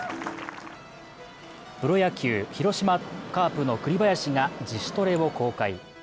プロ野球・広島カープの栗林が自主トレを公開。